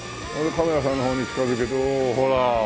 カメラさんの方に近づけておおほら。